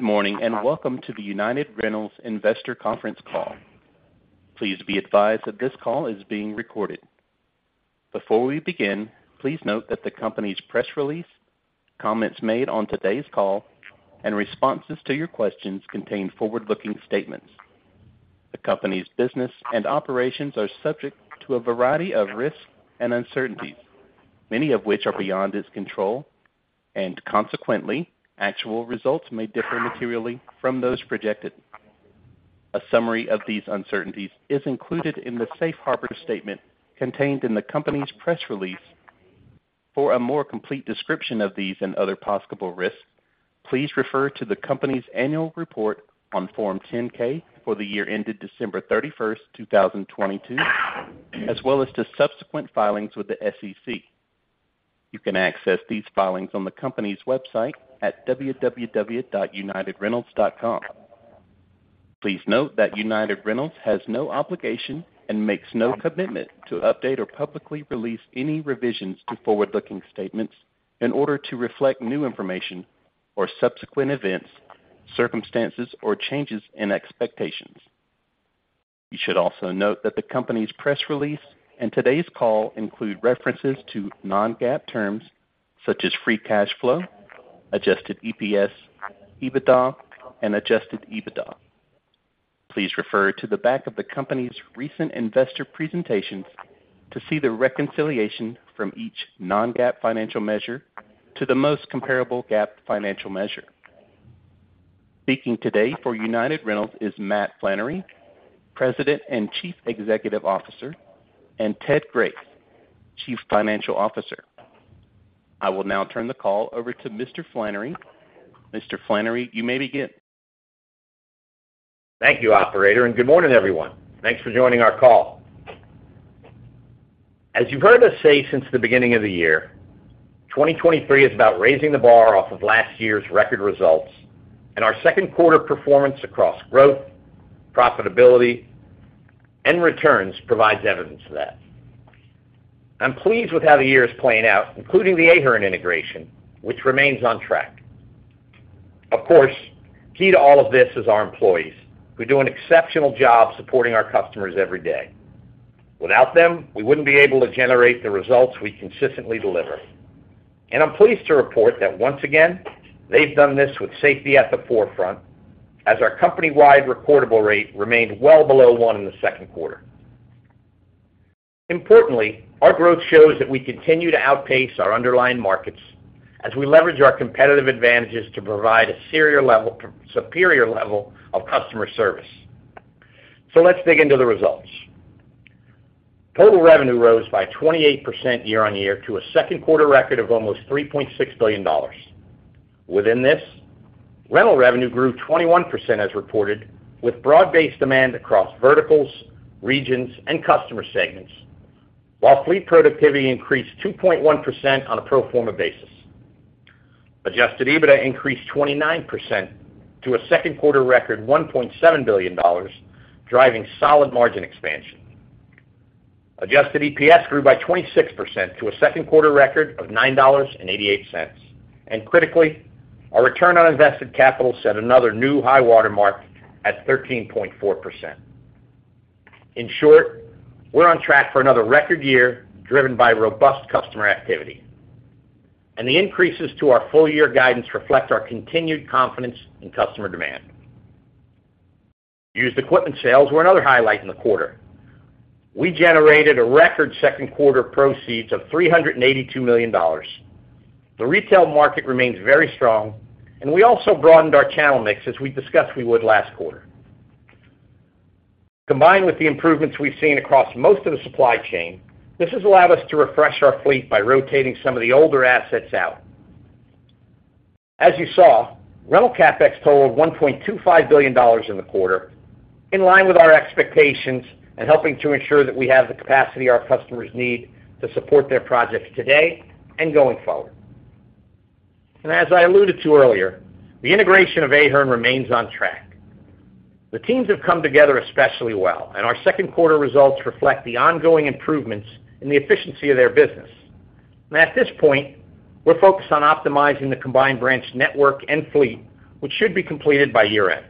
Good morning, and welcome to the United Rentals Investor Conference Call. Please be advised that this call is being recorded. Before we begin, please note that the company's press release, comments made on today's call, and responses to your questions contain forward-looking statements. The company's business and operations are subject to a variety of risks and uncertainties, many of which are beyond its control, and consequently, actual results may differ materially from those projected. A summary of these uncertainties is included in the safe harbor statement contained in the company's press release. For a more complete description of these and other possible risks, please refer to the company's annual report on Form 10-K for the year ended December 31st, 2022, as well as to subsequent filings with the SEC. You can access these filings on the company's website at www.unitedrentals.com. Please note that United Rentals has no obligation and makes no commitment to update or publicly release any revisions to forward-looking statements in order to reflect new information or subsequent events, circumstances, or changes in expectations. You should also note that the company's press release and today's call include references to non-GAAP terms such as free cash flow, adjusted EPS, EBITDA, and adjusted EBITDA. Please refer to the back of the company's recent investor presentations to see the reconciliation from each non-GAAP financial measure to the most comparable GAAP financial measure. Speaking today for United Rentals is Matt Flannery, President and Chief Executive Officer, and Ted Grace, Chief Financial Officer. I will now turn the call over to Mr. Flannery. Mr. Flannery, you may begin. Thank you, operator. Good morning, everyone. Thanks for joining our call. As you've heard us say since the beginning of the year, 2023 is about raising the bar off of last year's record results. Our second quarter performance across growth, profitability, and returns provides evidence of that. I'm pleased with how the year is playing out, including the Ahern integration, which remains on track. Of course, key to all of this is our employees, who do an exceptional job supporting our customers every day. Without them, we wouldn't be able to generate the results we consistently deliver. I'm pleased to report that once again, they've done this with safety at the forefront, as our company-wide reportable rate remained well below 1 in the second quarter. Importantly, our growth shows that we continue to outpace our underlying markets as we leverage our competitive advantages to provide a superior level of customer service. Let's dig into the results. Total revenue rose by 28% year-over-year to a second quarter record of almost $3.6 billion. Within this, rental revenue grew 21% as reported, with broad-based demand across verticals, regions, and customer segments, while fleet productivity increased 2.1% on a pro forma basis. Adjusted EBITDA increased 29% to a second quarter record $1.7 billion, driving solid margin expansion. Adjusted EPS grew by 26% to a second quarter record of $9.88. Critically, our return on invested capital set another new high water mark at 13.4%. In short, we're on track for another record year, driven by robust customer activity, and the increases to our full year guidance reflect our continued confidence in customer demand. Used equipment sales were another highlight in the quarter. We generated a record second quarter proceeds of $382 million. The retail market remains very strong, and we also broadened our channel mix as we discussed we would last quarter. Combined with the improvements we've seen across most of the supply chain, this has allowed us to refresh our fleet by rotating some of the older assets out. As you saw, rental CapEx totaled $1.25 billion in the quarter, in line with our expectations and helping to ensure that we have the capacity our customers need to support their projects today and going forward. As I alluded to earlier, the integration of Ahern remains on track. The teams have come together especially well, our second quarter results reflect the ongoing improvements in the efficiency of their business. At this point, we're focused on optimizing the combined branch network and fleet, which should be completed by year-end.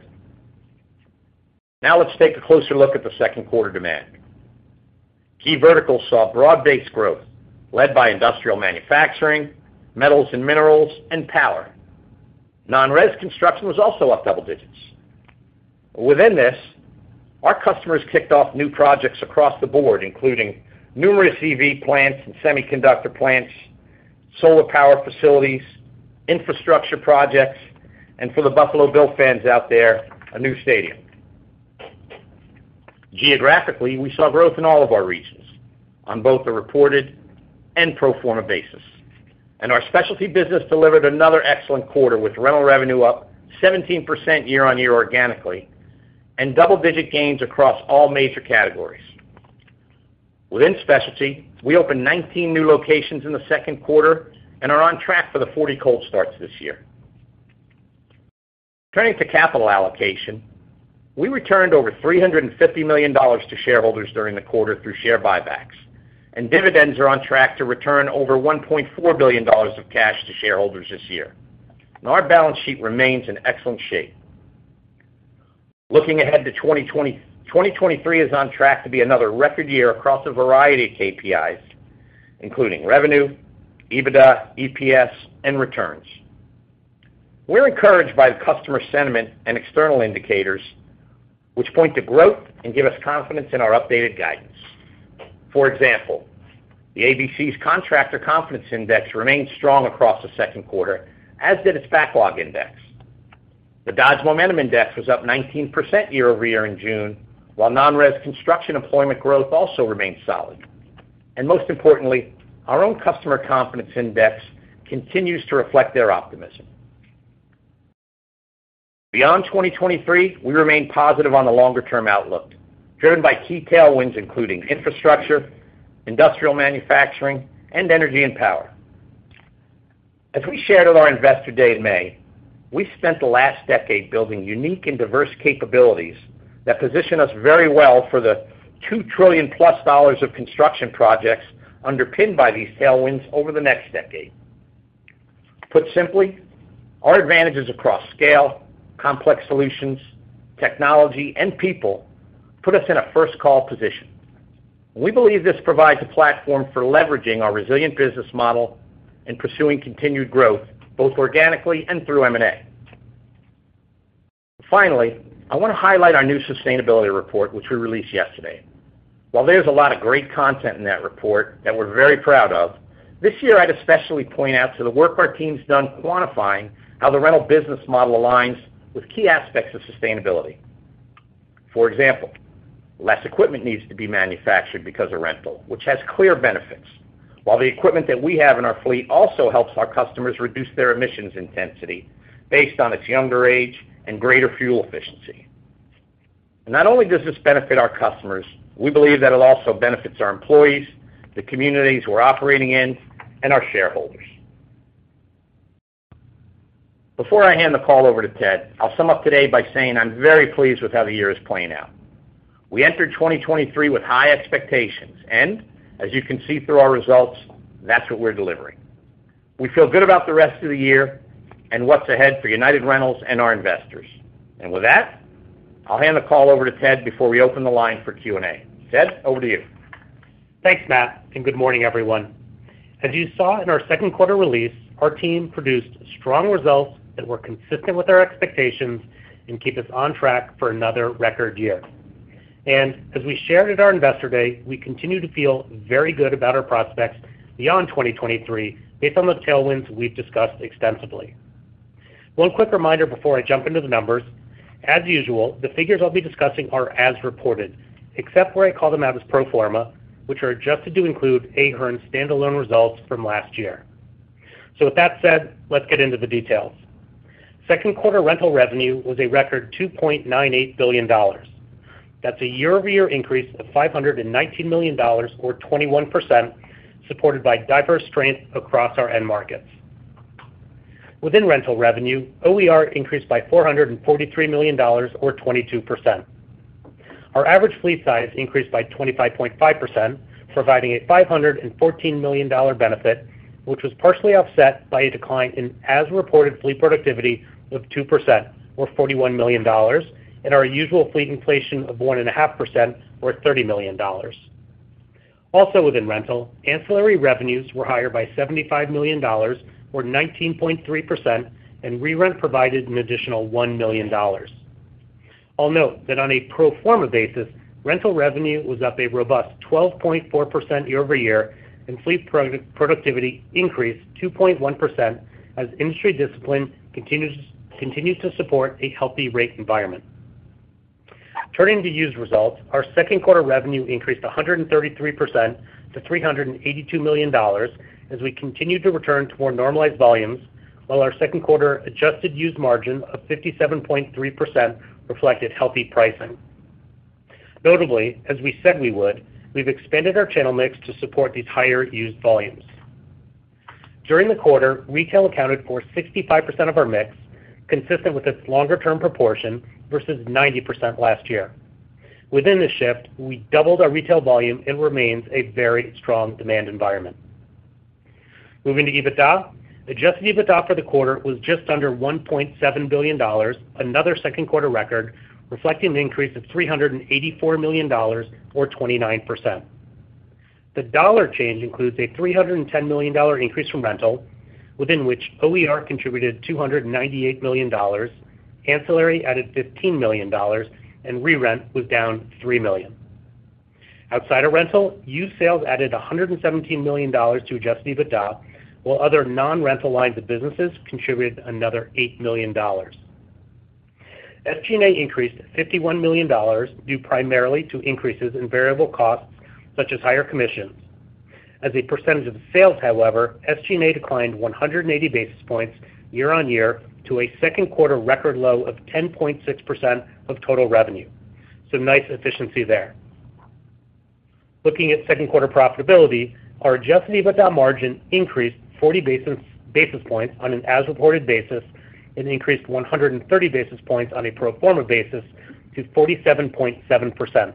Let's take a closer look at the second quarter demand. Key verticals saw broad-based growth led by industrial manufacturing, metals and minerals, and power. Non-res construction was also up double digits. Within this, our customers kicked off new projects across the board, including numerous EV plants and semiconductor plants, solar power facilities, infrastructure projects, and for the Buffalo Bill fans out there, a new stadium. Geographically, we saw growth in all of our regions on both a reported and pro forma basis. Our specialty business delivered another excellent quarter, with rental revenue up 17% year-over-year organically and double-digit gains across all major categories. Within specialty, we opened 19 new locations in the second quarter and are on track for the 40 cold starts this year. We returned over $350 million to shareholders during the quarter through share buybacks. Dividends are on track to return over $1.4 billion of cash to shareholders this year. Our balance sheet remains in excellent shape. Looking ahead to 2023 is on track to be another record year across a variety of KPIs, including revenue, EBITDA, EPS, and returns. We're encouraged by the customer sentiment and external indicators, which point to growth and give us confidence in our updated guidance. For example, the ABC's Construction Confidence Index remained strong across the second quarter, as did its backlog index. The Dodge Momentum Index was up 19% year-over-year in June, while non-res construction employment growth also remains solid. Most importantly, our own customer confidence index continues to reflect their optimism. Beyond 2023, we remain positive on the longer-term outlook, driven by key tailwinds, including infrastructure, industrial manufacturing, and energy and power. As we shared at our Investor Day in May, we spent the last decade building unique and diverse capabilities that position us very well for the $2 trillion+ of construction projects underpinned by these tailwinds over the next decade. Put simply, our advantages across scale, complex solutions, technology, and people put us in a first-call position. We believe this provides a platform for leveraging our resilient business model and pursuing continued growth, both organically and through M&A. I want to highlight our new sustainability report, which we released yesterday. There's a lot of great content in that report that we're very proud of, this year, I'd especially point out to the work our team's done quantifying how the rental business model aligns with key aspects of sustainability. Less equipment needs to be manufactured because of rental, which has clear benefits, while the equipment that we have in our fleet also helps our customers reduce their emissions intensity based on its younger age and greater fuel efficiency. Not only does this benefit our customers, we believe that it also benefits our employees, the communities we're operating in, and our shareholders. Before I hand the call over to Ted, I'll sum up today by saying I'm very pleased with how the year is playing out. We entered 2023 with high expectations, and as you can see through our results, that's what we're delivering. We feel good about the rest of the year and what's ahead for United Rentals and our investors. With that, I'll hand the call over to Ted before we open the line for Q&A. Ted, over to you. Thanks, Matt, good morning, everyone. As you saw in our second quarter release, our team produced strong results that were consistent with our expectations and keep us on track for another record year. As we shared at our Investor Day, we continue to feel very good about our prospects beyond 2023, based on the tailwinds we've discussed extensively. One quick reminder before I jump into the numbers. As usual, the figures I'll be discussing are as reported, except where I call them out as pro forma, which are adjusted to include Ahern's standalone results from last year. With that said, let's get into the details. Second quarter rental revenue was a record $2.98 billion. That's a year-over-year increase of $519 million or 21%, supported by diverse strength across our end markets. Within rental revenue, OER increased by $443 million or 22%. Our average fleet size increased by 25.5%, providing a $514 million benefit, which was partially offset by a decline in as-reported fleet productivity of 2% or $41 million, and our usual fleet inflation of 1.5% or $30 million. Also within rental, ancillary revenues were higher by $75 million or 19.3%, and re-rent provided an additional $1 million. I'll note that on a pro forma basis, rental revenue was up a robust 12.4% year-over-year, and fleet productivity increased 2.1% as industry discipline continues to support a healthy rate environment. Turning to used results, our second quarter revenue increased 133% to $382 million as we continued to return to more normalized volumes, while our second quarter adjusted used margin of 57.3% reflected healthy pricing. Notably, as we said we would, we've expanded our channel mix to support these higher used volumes. During the quarter, retail accounted for 65% of our mix, consistent with its longer-term proportion versus 90% last year. Within this shift, we doubled our retail volume and remains a very strong demand environment. Moving to EBITDA. Adjusted EBITDA for the quarter was just under $1.7 billion, another second quarter record, reflecting an increase of $384 million or 29%. The dollar change includes a $310 million increase from rental, within which OER contributed $298 million, ancillary added $15 million, and re-rent was down $3 million. Outside of rental, used sales added $117 million to adjusted EBITDA, while other non-rental lines of businesses contributed another $8 million. SG&A increased $51 million, due primarily to increases in variable costs, such as higher commissions. As a percentage of sales, however, SG&A declined 180 basis points year-on-year to a second quarter record low of 10.6% of total revenue. Nice efficiency there. Looking at second quarter profitability, our adjusted EBITDA margin increased 40 basis points on an as-reported basis and increased 130 basis points on a pro forma basis to 47.7%.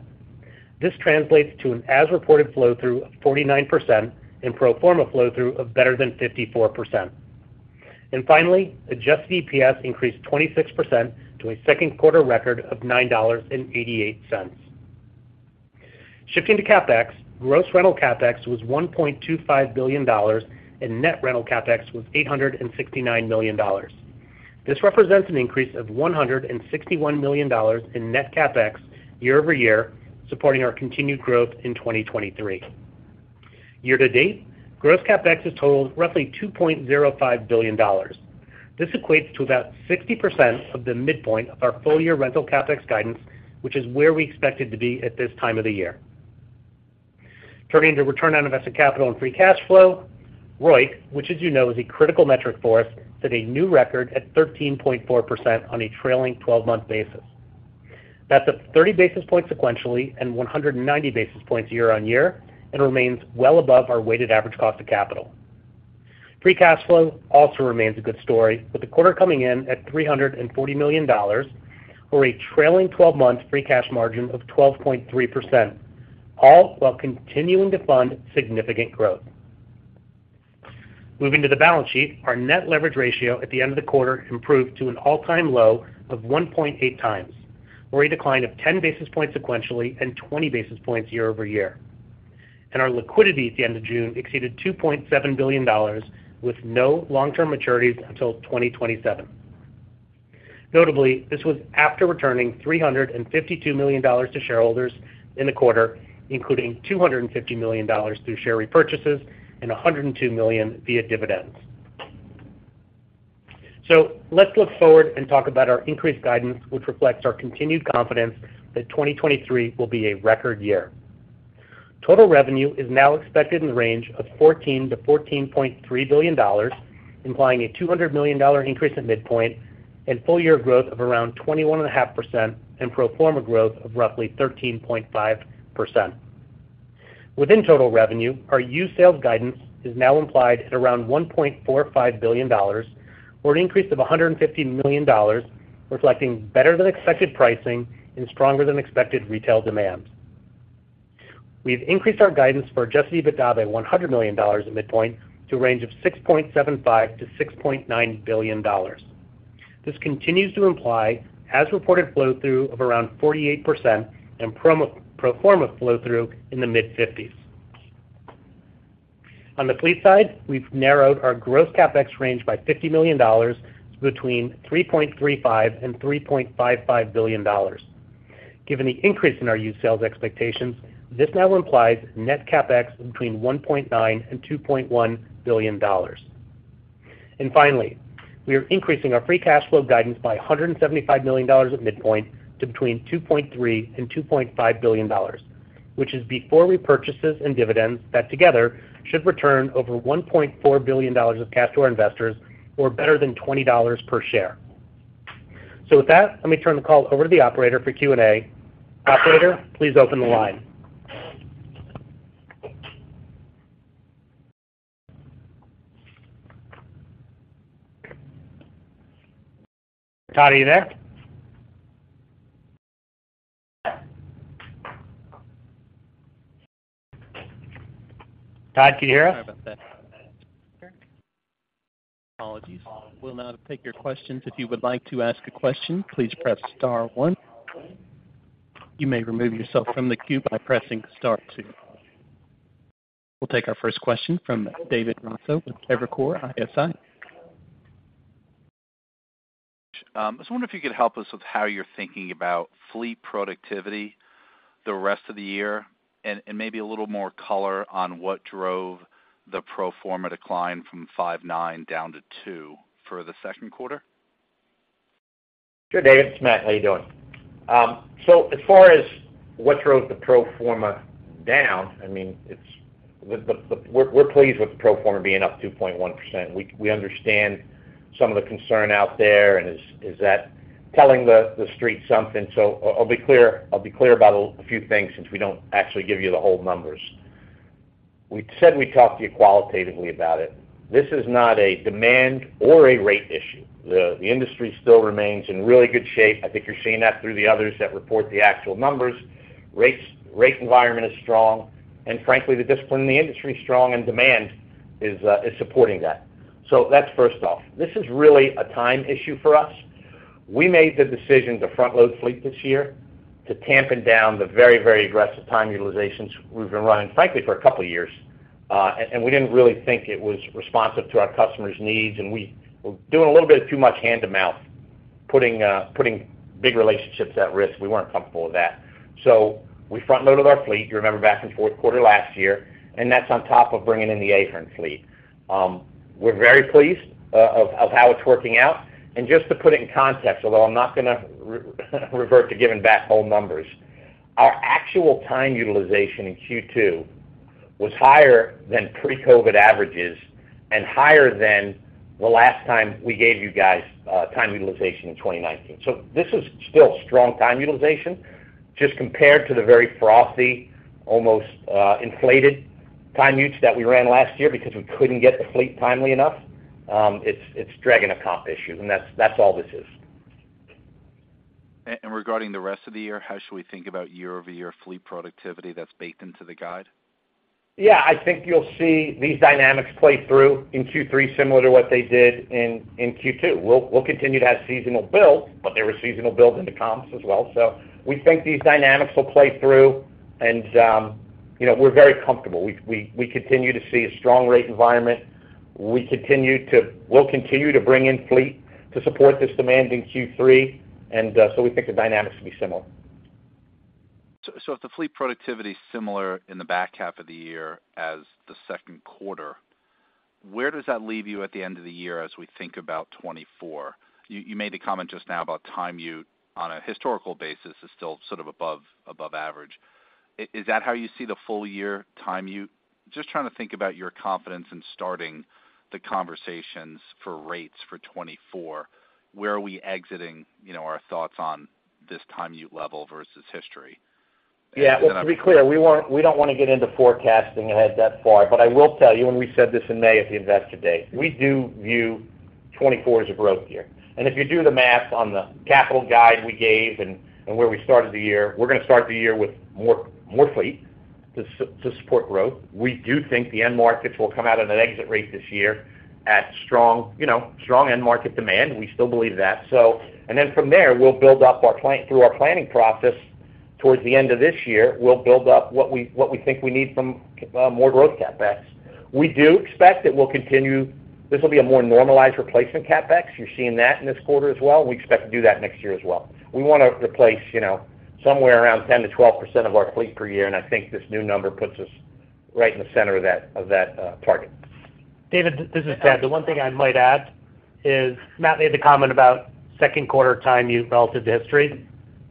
This translates to an as-reported flow-through of 49% and pro forma flow-through of better than 54%. Finally, adjusted EPS increased 26% to a second quarter record of $9.88. Shifting to CapEx, gross rental CapEx was $1.25 billion, and net rental CapEx was $869 million. This represents an increase of $161 million in net CapEx year-over-year, supporting our continued growth in 2023. Year-to-date, gross CapEx has totaled roughly $2.05 billion. This equates to about 60% of the midpoint of our full-year rental CapEx guidance, which is where we expected to be at this time of the year. Turning to return on invested capital and free cash flow, ROIC, which as you know, is a critical metric for us, set a new record at 13.4% on a trailing twelve-month basis. That's up 30 basis points sequentially and 190 basis points year-over-year, and remains well above our weighted average cost of capital. Free cash flow also remains a good story, with the quarter coming in at $340 million, or a trailing twelve-month free cash margin of 12.3%, all while continuing to fund significant growth. Moving to the balance sheet, our net leverage ratio at the end of the quarter improved to an all-time low of 1.8x, or a decline of 10 basis points sequentially and 20 basis points year-over-year. Our liquidity at the end of June exceeded $2.7 billion, with no long-term maturities until 2027. Notably, this was after returning $352 million to shareholders in the quarter, including $250 million through share repurchases and $102 million via dividends. Let's look forward and talk about our increased guidance, which reflects our continued confidence that 2023 will be a record year. Total revenue is now expected in the range of $14 billion-$14.3 billion, implying a $200 million increase at midpoint and full-year growth of around 21.5% and pro forma growth of roughly 13.5%. Within total revenue, our used sales guidance is now implied at around $1.45 billion, or an increase of $150 million, reflecting better than expected pricing and stronger than expected retail demand. We've increased our guidance for adjusted EBITDA by $100 million at midpoint to a range of $6.75 billion-$6.9 billion. This continues to imply as-reported flow-through of around 48% and pro forma flow-through in the mid-50s. On the fleet side, we've narrowed our gross CapEx range by $50 million between $3.35 billion and $3.55 billion. Given the increase in our used sales expectations, this now implies net CapEx between $1.9 billion and $2.1 billion. Finally, we are increasing our free cash flow guidance by $175 million at midpoint to between $2.3 billion and $2.5 billion, which is before repurchases and dividends that together should return over $1.4 billion of cash to our investors, or better than $20 per share. With that, let me turn the call over to the operator for Q&A. Operator, please open the line. Todd, are you there? Todd, can you hear us? Sorry about that. Apologies. We'll now take your questions. If you would like to ask a question, please press star one. You may remove yourself from the queue by pressing star two. We'll take our first question from David Raso with Evercore ISI. I was wondering if you could help us with how you're thinking about fleet productivity the rest of the year, and maybe a little more color on what drove the pro forma decline from 5.9 down to 2 for the second quarter. Sure, David. It's Matt. How you doing? As far as what drove the pro forma down, I mean, we're pleased with the pro forma being up 2.1%. We understand some of the concern out there, and is that telling the street something? I'll be clear about a few things since we don't actually give you the whole numbers. We said we'd talk to you qualitatively about it. This is not a demand or a rate issue. The industry still remains in really good shape. I think you're seeing that through the others that report the actual numbers. Rates, rate environment is strong, and frankly, the discipline in the industry is strong, and demand is supporting that. That's first off. This is really a time issue for us. We made the decision to front-load fleet this year to tampen down the very, very aggressive time utilizations we've been running, frankly, for a couple of years. We didn't really think it was responsive to our customers' needs, and we were doing a little bit of too much hand-to-mouth, putting big relationships at risk. We weren't comfortable with that. We front-loaded our fleet, you remember, back in the fourth quarter last year, and that's on top of bringing in the Ahern fleet. We're very pleased of how it's working out. Just to put it in context, although I'm not gonna revert to giving back whole numbers, our actual time utilization in Q2 was higher than pre-COVID averages and higher than the last time we gave you guys, time utilization in 2019. This is still strong time utilization, just compared to the very frothy, almost, inflated time utils that we ran last year because we couldn't get the fleet timely enough. It's dragging a comp issue, and that's all this is. Regarding the rest of the year, how should we think about year-over-year fleet productivity that's baked into the guide? Yeah, I think you'll see these dynamics play through in Q3, similar to what they did in, in Q2. We'll continue to have seasonal builds, but there were seasonal builds in the comps as well. We think these dynamics will play through, and, you know, we're very comfortable. We continue to see a strong rate environment. We'll continue to bring in fleet to support this demand in Q3, and we think the dynamics will be similar. If the fleet productivity is similar in the back half of the year as the second quarter, where does that leave you at the end of the year as we think about 2024? You made a comment just now about time util on a historical basis is still sort of above average. Is that how you see the full year time util? Just trying to think about your confidence in starting the conversations for rates for 2024. Where are we exiting, you know, our thoughts on this time util level versus history? Yeah, well, to be clear, we don't want to get into forecasting ahead that far, but I will tell you, and we said this in May at the Investor Day, we do view 2024 as a growth year. If you do the math on the capital guide we gave and, where we started the year, we're going to start the year with more fleet to support growth. We do think the end markets will come out at an exit rate this year at strong, you know, strong end market demand. We still believe that. Then from there, we'll build up through our planning process towards the end of this year, we'll build up what we, what we think we need from more growth CapEx. We do expect that we'll continue. This will be a more normalized replacement CapEx. You're seeing that in this quarter as well. We expect to do that next year as well. We want to replace, you know, somewhere around 10% to 12% of our fleet per year, and I think this new number puts us right in the center of that target. David, this is Ted. The one thing I might add is, Matt made the comment about second quarter time utils relative to history.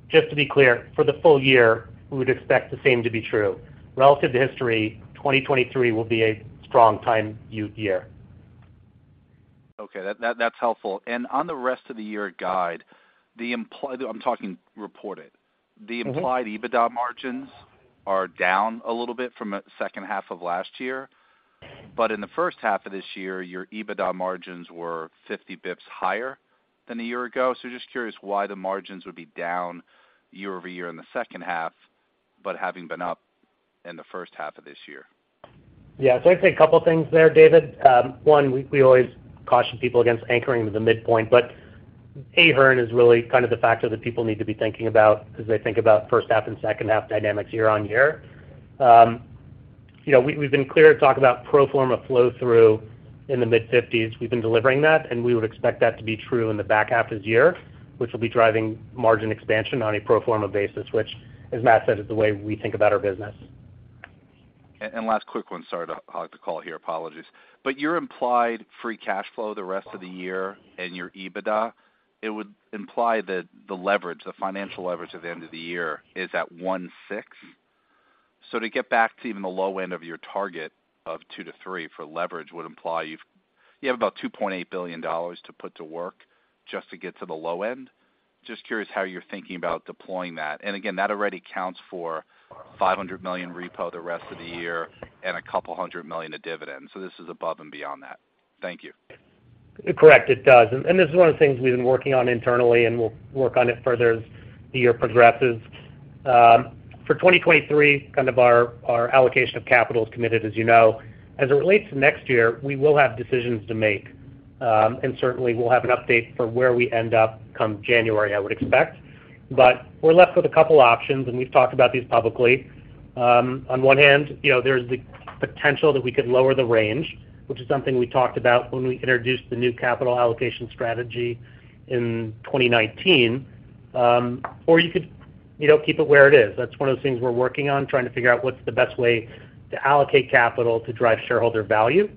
Just to be clear, for the full year, we would expect the same to be true. Relative to history, 2023 will be a strong time util year. Okay, that's helpful. On the rest of the year guide. I'm talking reported. Mm-hmm. The implied EBITDA margins are down a little bit from the second half of last year, but in the first half of this year, your EBITDA margins were 50 bips higher than a year ago. Just curious why the margins would be down year-over-year in the second half, but having been up in the first half of this year? Yeah. I'd say a couple of things there, David. One, we, we always caution people against anchoring to the midpoint, but Ahern is really kind of the factor that people need to be thinking about as they think about first half and second half dynamics year-on-year. You know, we, we've been clear to talk about pro forma flow-through in the mid-50s. We've been delivering that, and we would expect that to be true in the back half of this year, which will be driving margin expansion on a pro forma basis, which, as Matt said, is the way we think about our business. Last quick one. Sorry to hog the call here. Apologies. Your implied free cash flow the rest of the year and your EBITDA, it would imply that the leverage, the financial leverage at the end of the year is at 1/6. To get back to even the low end of your target of two to three for leverage would imply you have about $2.8 billion to put to work just to get to the low end. Just curious how you're thinking about deploying that. Again, that already counts for $500 million repo the rest of the year and $200 million of dividends. This is above and beyond that. Thank you. Correct, it does. This is one of the things we've been working on internally, and we'll work on it further as the year progresses. For 2023, kind of our, our allocation of capital is committed, as you know. As it relates to next year, we will have decisions to make, and certainly we'll have an update for where we end up come January, I would expect. We're left with a couple options, and we've talked about these publicly. On one hand, you know, there's the potential that we could lower the range, which is something we talked about when we introduced the new capital allocation strategy in 2019. You could, you know, keep it where it is. That's one of the things we're working on, trying to figure out what's the best way to allocate capital to drive shareholder value.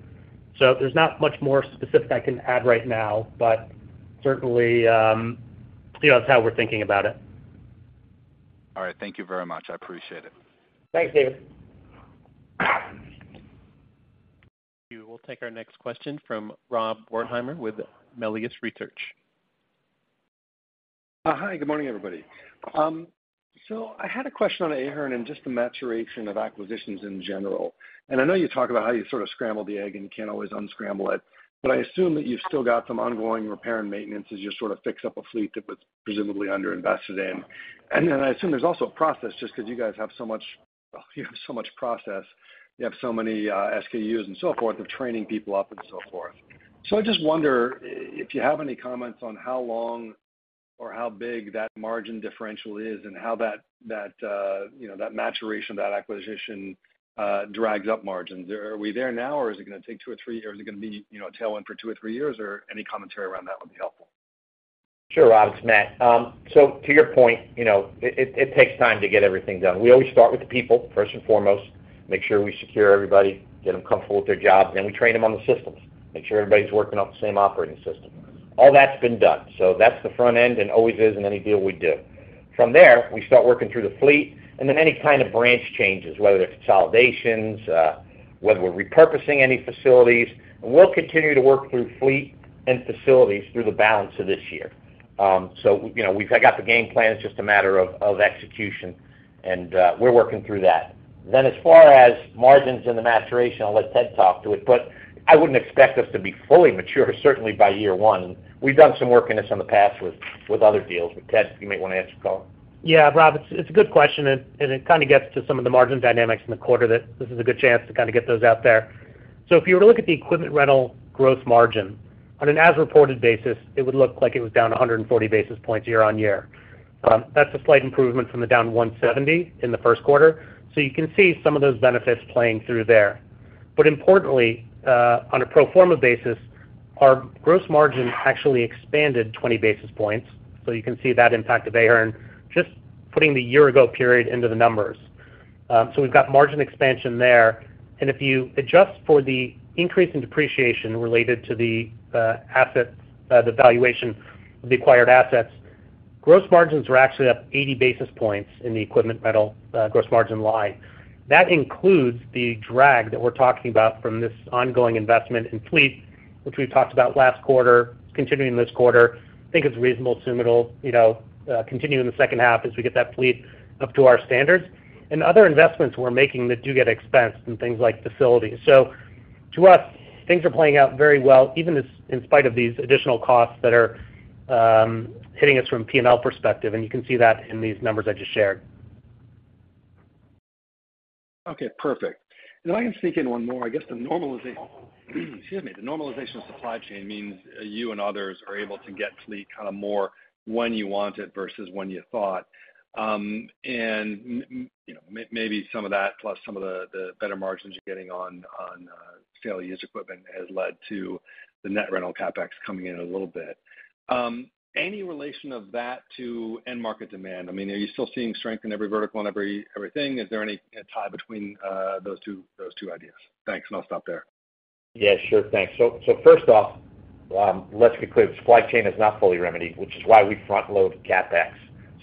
There's not much more specific I can add right now, but certainly, you know, that's how we're thinking about it. All right. Thank you very much. I appreciate it. Thanks, David. We will take our next question from Rob Wertheimer with Melius Research. Hi, good morning, everybody. I had a question on Ahern and just the maturation of acquisitions in general. I know you talk about how you sort of scramble the egg and you can't always unscramble it, but I assume that you've still got some ongoing repair and maintenance as you sort of fix up a fleet that was presumably underinvested in. Then I assume there's also a process, just because you guys have so much process, you have so many SKUs and so forth, of training people up and so forth. I just wonder if you have any comments on how long or how big that margin differential is and how that, that, you know, that maturation, that acquisition, drags up margins. Are we there now, or is it going to take 2 or 3 years, or is it going to be, you know, a tailwind for 2 or 3 years, or any commentary around that would be helpful? Sure, Rob Wertheimer, it's Matt Flannery. To your point, you know, it takes time to get everything done. We always start with the people, first and foremost, make sure we secure everybody, get them comfortable with their jobs, then we train them on the systems, make sure everybody's working off the same operating system. All that's been done. That's the front end and always is in any deal we do. From there, we start working through the fleet and then any kind of branch changes, whether they're consolidations, whether we're repurposing any facilities. We'll continue to work through fleet and facilities through the balance of this year. You know, we've got the game plan. It's just a matter of execution, and we're working through that. As far as margins and the maturation, I'll let Ted talk to it, but I wouldn't expect us to be fully mature, certainly by year one. We've done some work in this in the past with other deals. Ted, you may want to answer the call. Yeah, Rob, it's a good question, and it kind of gets to some of the margin dynamics in the quarter, that this is a good chance to kind of get those out there. If you were to look at the equipment rental gross margin on an as-reported basis, it would look like it was down 140 basis points year-on-year. That's a slight improvement from the down 170 in the first quarter. You can see some of those benefits playing through there. Importantly, on a pro forma basis, our gross margin actually expanded 20 basis points, so you can see that impact of Ahern, just putting the year ago period into the numbers. We've got margin expansion there. If you adjust for the increase in depreciation related to the valuation of the acquired assets, gross margins were actually up 80 basis points in the equipment rental gross margin line. That includes the drag that we're talking about from this ongoing investment in fleet, which we talked about last quarter, continuing this quarter. I think it's reasonable to assume it'll, you know, continue in the second half as we get that fleet up to our standards. Other investments we're making that do get expensed in things like facilities. To us, things are playing out very well, even in spite of these additional costs that are hitting us from P&L perspective. You can see that in these numbers I just shared. Okay, perfect. I can sneak in one more. I guess the normalization, excuse me, the normalization of supply chain means you and others are able to get fleet kind of more when you want it versus when you thought. You know, maybe some of that, plus some of the, the better margins you're getting on, sale use equipment has led to the net rental CapEx coming in a little bit. Any relation of that to end market demand? I mean, are you still seeing strength in every vertical and everything? Is there any, a tie between those two ideas? Thanks, I'll stop there. Yeah, sure. Thanks. First off, let's be clear. The supply chain is not fully remedied, which is why we front-load CapEx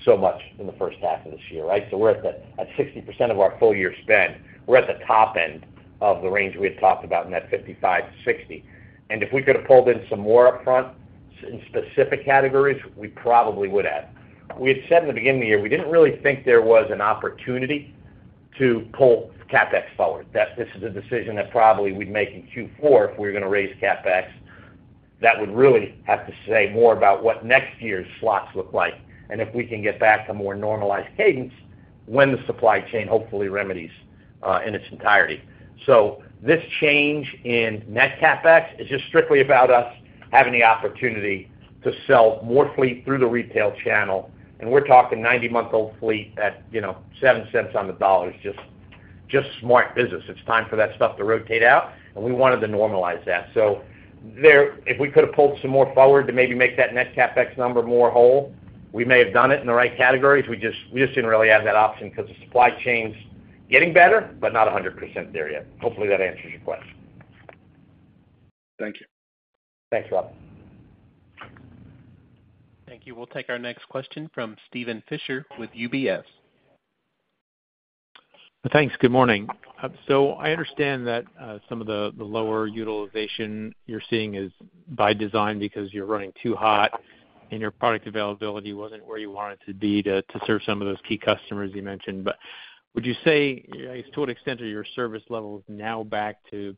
so much in the first half of this year, right? We're at 60% of our full year spend. We're at the top end of the range we had talked about in that 55%-60%. If we could have pulled in some more upfront in specific categories, we probably would have. We had said in the beginning of the year, we didn't really think there was an opportunity to pull CapEx forward. That this is a decision that probably we'd make in Q4 if we were going to raise CapEx. That would really have to say more about what next year's slots look like, and if we can get back to more normalized cadence when the supply chain hopefully remedies in its entirety. This change in net CapEx is just strictly about us having the opportunity to sell more fleet through the retail channel, and we're talking 90-month-old fleet at, you know, $0.07 on the dollar. It's just smart business. It's time for that stuff to rotate out, and we wanted to normalize that. There, if we could have pulled some more forward to maybe make that net CapEx number more whole, we may have done it in the right categories. We just didn't really have that option because the supply chain's getting better, but not 100% there yet. Hopefully, that answers your question. Thank you. Thanks, Rob. Thank you. We'll take our next question from Steven Fisher with UBS. Thanks. Good morning. I understand that some of the lower utilization you're seeing is by design because you're running too hot, and your product availability wasn't where you want it to be to serve some of those key customers you mentioned. Would you say, I guess, to what extent are your service levels now back to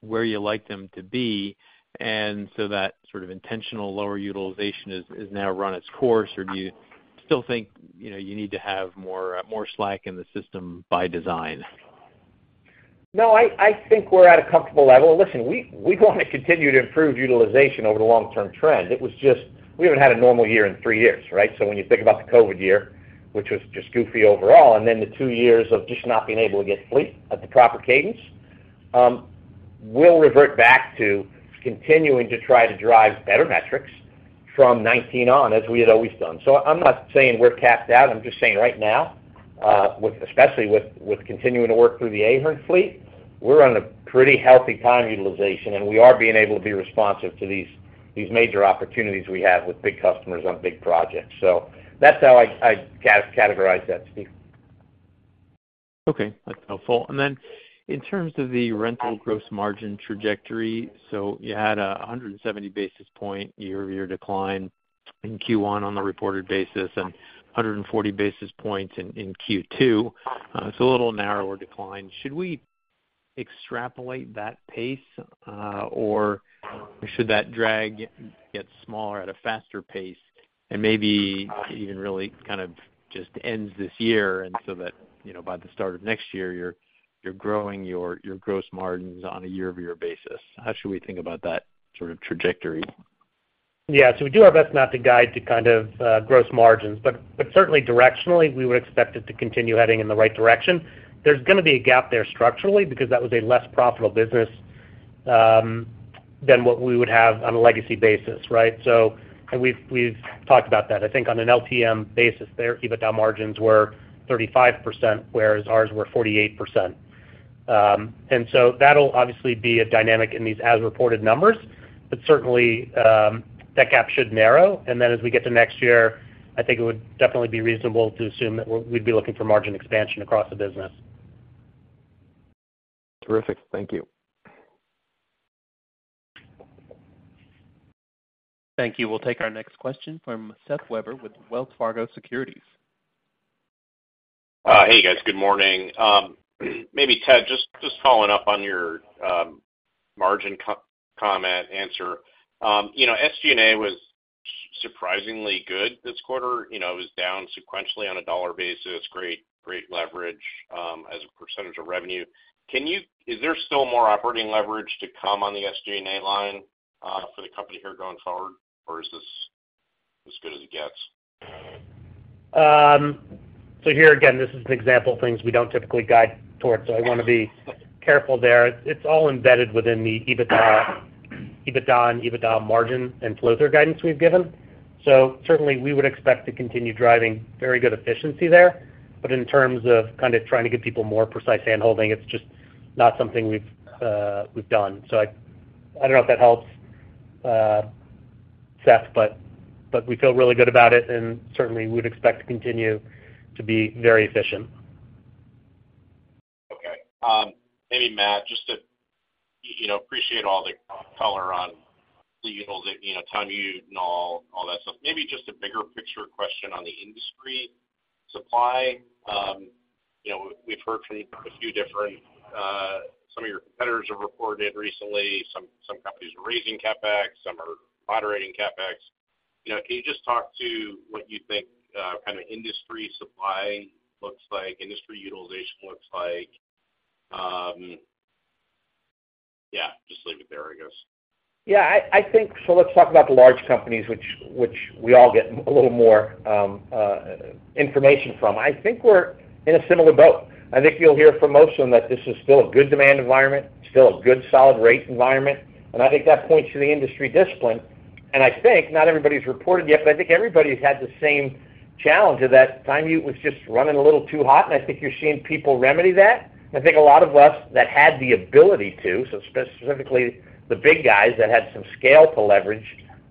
where you like them to be, and so that sort of intentional lower utilization has now run its course, or do you still think, you know, you need to have more slack in the system by design? No, I think we're at a comfortable level. Listen, we want to continue to improve utilization over the long-term trend. It was just. We haven't had a normal year in three years, right? When you think about the COVID year, which was just goofy overall, and then the two years of just not being able to get fleet at the proper cadence, we'll revert back to continuing to try to drive better metrics from 2019 on, as we had always done. I'm not saying we're capped out. I'm just saying right now, especially with continuing to work through the Ahern fleet, we're on a pretty healthy time utilization, and we are being able to be responsive to these major opportunities we have with big customers on big projects. That's how I categorize that, Steve. Okay, that's helpful. Then in terms of the rental gross margin trajectory, so you had 170 basis points year-over-year decline in Q1 on the reported basis, and 140 basis points in Q2. It's a little narrower decline. Should we extrapolate that pace, or should that drag get smaller at a faster pace and maybe even really kind of just ends this year, and so that, you know, by the start of next year, you're growing your gross margins on a year-over-year basis? How should we think about that sort of trajectory? We do our best not to guide to kind of gross margins, but certainly directionally, we would expect it to continue heading in the right direction. There's gonna be a gap there structurally, because that was a less profitable business than what we would have on a legacy basis, right? We've talked about that. I think on an LTM basis there, EBITDA margins were 35%, whereas ours were 48%. That'll obviously be a dynamic in these as reported numbers, but certainly, that gap should narrow. As we get to next year, I think it would definitely be reasonable to assume that we'd be looking for margin expansion across the business. Terrific. Thank you. Thank you. We'll take our next question from Seth Weber with Wells Fargo Securities. Hey, guys. Good morning. Maybe, Ted, just following up on your margin comment, answer. You know, SG&A was surprisingly good this quarter. You know, it was down sequentially on a dollar basis. Great leverage as a percentage of revenue. Can you is there still more operating leverage to come on the SG&A line for the company here going forward, or is this as good as it gets? Here again, this is an example of things we don't typically guide towards, so I want to be careful there. It's all embedded within the EBITDA, EBITDA and EBITDA margin and flow-through guidance we've given. Certainly, we would expect to continue driving very good efficiency there. In terms of kind of trying to give people more precise handholding, it's just not something we've done. I don't know if that helps, Seth, but we feel really good about it, and certainly we'd expect to continue to be very efficient. Maybe, Matt, just to, you know, appreciate all the color on the yields, you know, time you know, all, all that stuff. Maybe just a bigger picture question on the industry supply. You know, we've heard from a few different, some of your competitors have reported recently, some companies are raising CapEx, some are moderating CapEx. You know, can you just talk to what you think, kind of industry supply looks like, industry utilization looks like? Yeah, just leave it there, I guess. Yeah, I think let's talk about the large companies, which we all get a little more information from. I think we're in a similar boat. I think you'll hear from most of them that this is still a good demand environment, still a good solid rate environment. I think that points to the industry discipline. I think not everybody's reported yet. I think everybody's had the same challenge of that time util was just running a little too hot. I think you're seeing people remedy that. I think a lot of us that had the ability to, so specifically the big guys that had some scale to leverage,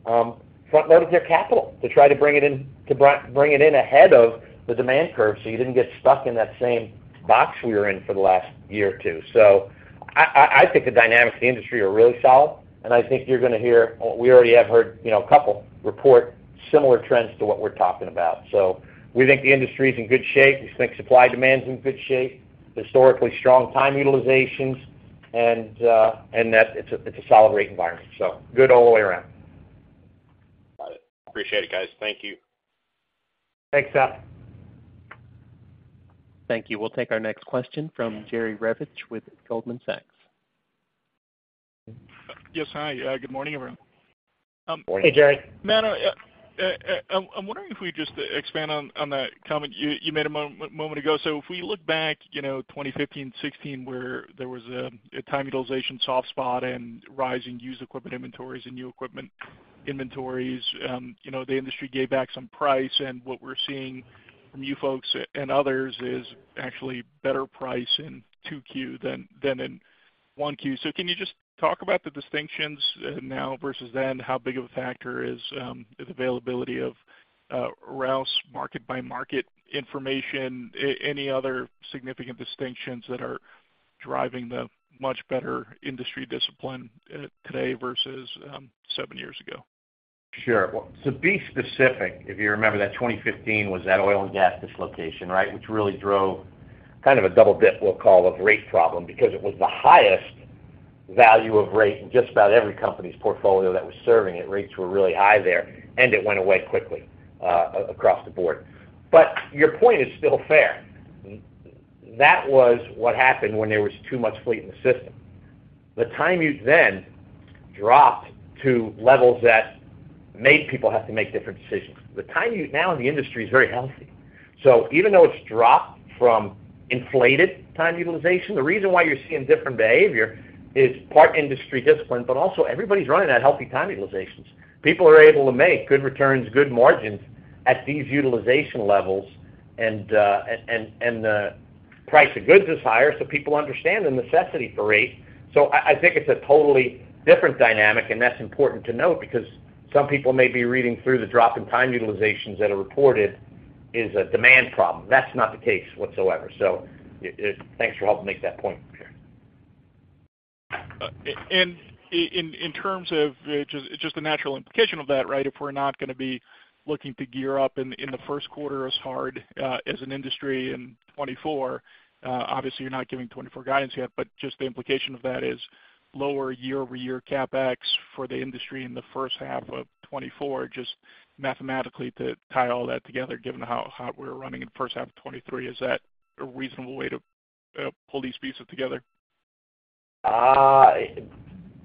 front loaded their capital to try to bring it in, to bring it in ahead of the demand curve, so you didn't get stuck in that same box we were in for the last year or two. I think the dynamics of the industry are really solid, and I think you're going to hear, or we already have heard, you know, a couple report similar trends to what we're talking about. We think the industry is in good shape. We think supply demand is in good shape, historically strong time utilizations, and that it's a solid rate environment, so good all the way around. Got it. Appreciate it, guys. Thank you. Thanks, Seth. Thank you. We'll take our next question from Jerry Revich with Goldman Sachs. Yes. Hi, good morning, everyone. Good morning. Hey, Jerry. Matt, I'm wondering if we just expand on that comment you made a moment ago. If we look back, you know, 2015, 2016, where there was a time utilization soft spot and rising used equipment inventories and new equipment inventories, you know, the industry gave back some price, and what we're seeing from you folks and others is actually better price in 2Q than in 1Q. Can you just talk about the distinctions now versus then? How big of a factor is the availability of Rouse market by market information, any other significant distinctions that are driving the much better industry discipline today versus seven years ago? Sure. To be specific, if you remember that 2015 was that oil and gas dislocation, right? Really drove kind of a double dip, we'll call, of rate problem, because it was the highest value of rate in just about every company's portfolio that was serving it. Rates were really high there, it went away quickly across the board. Your point is still fair. That was what happened when there was too much fleet in the system. The time you then dropped to levels that made people have to make different decisions. The time use now in the industry is very healthy. Even though it's dropped from inflated time utilization, the reason why you're seeing different behavior is part industry discipline, but also everybody's running at healthy time utilizations. People are able to make good returns, good margins at these utilization levels, and the price of goods is higher, so people understand the necessity for rate. I think it's a totally different dynamic, and that's important to note because some people may be reading through the drop in time utilizations that are reported is a demand problem. That's not the case whatsoever. Thanks for helping make that point. In terms of just the natural implication of that, right? If we're not going to be looking to gear up in the first quarter as hard as an industry in 2024, obviously, you're not giving 2024 guidance yet, but just the implication of that is lower year-over-year CapEx for the industry in the first half of 2024, just mathematically to tie all that together, given how hot we're running in the first half of 2023. Is that a reasonable way to pull these pieces together?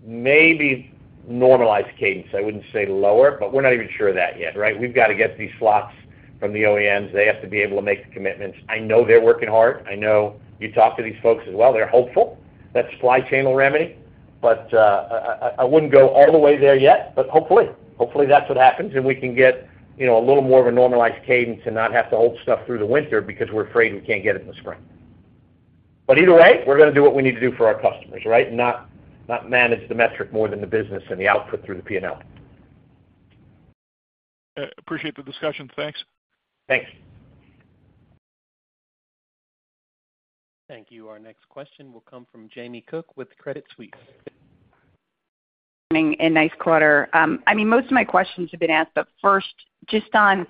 Maybe normalized cadence. I wouldn't say lower, but we're not even sure of that yet, right? We've got to get these slots from the OEMs. They have to be able to make the commitments. I know they're working hard. I know you talk to these folks as well. They're hopeful that supply chain will remedy. I wouldn't go all the way there yet, but hopefully, hopefully, that's what happens, and we can get, you know, a little more of a normalized cadence and not have to hold stuff through the winter because we're afraid we can't get it in the spring. Either way, we're gonna do what we need to do for our customers, right? Not, not manage the metric more than the business and the output through the P&L. Appreciate the discussion. Thanks. Thanks. Thank you. Our next question will come from Jamie Cook with Credit Suisse. Nice quarter. I mean, most of my questions have been asked, but first, just on,